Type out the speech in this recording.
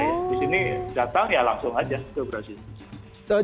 di sini datang ya langsung aja ke brazil